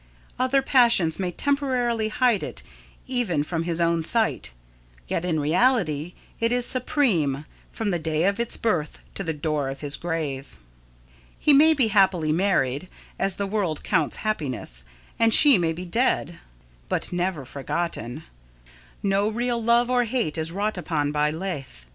Other passions may temporarily hide it even from his own sight, yet in reality it is supreme, from the day of its birth to the door of his grave. He may be happily married, as the world counts happiness, and She may be dead but never forgotten. No real love or hate is wrought upon by Lethe.